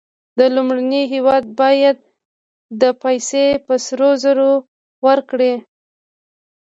لومړنی هېواد باید دا پیسې په سرو زرو ورکړي